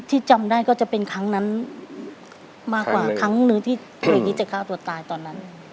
จำได้ก็จะเป็นครั้งนั้นมากกว่าครั้งหนึ่งที่เพลงนี้จะฆ่าตัวตายตอนนั้น